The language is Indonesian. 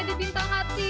itu guacanya apa sih